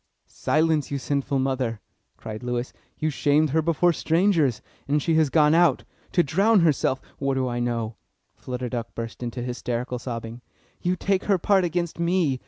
"Silence, you sinful mother!" cried Lewis. "You shamed her before strangers, and she has gone out to drown herself what do I know?" Flutter Duck burst into hysterical sobbing. "Yes, take her part against me!